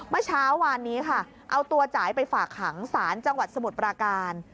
เมื่อเช้าวานนี้ค่ะเอาตัวจ่ายไปฝากขังศาลจังหวัดสมุทรปราการ